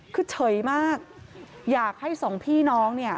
คือเฉยมากอยากให้สองพี่น้องเนี่ย